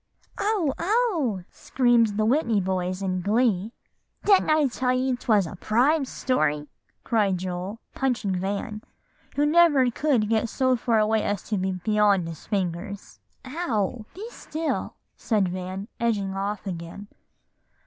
'" "Oh! oh!" screamed the Whitney boys in glee. "Didn't I tell you 'twas a prime story?" cried Joel, punching Van, who never could get so far away as to be beyond his fingers. "Ow! Be still!" said Van, edging off again.